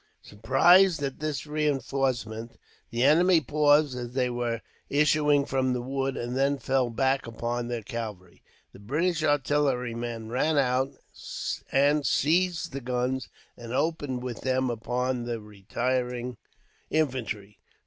Surprised at this reinforcement, the enemy paused as they were issuing from the wood, and then fell back upon their cavalry. The British artillerymen ran out, and seized the guns, and opened with them upon the retiring infantry.